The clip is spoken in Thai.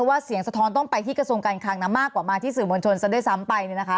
เสียงสะท้อนต้องไปที่กระทรวงการคลังนะมากกว่ามาที่สื่อมวลชนซะด้วยซ้ำไป